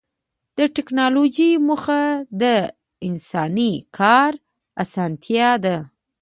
د ټکنالوجۍ موخه د انساني کار اسانتیا ده.